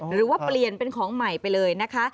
หรือว่าเปลี่ยนเป็นของใหม่ไปเลยนะคะ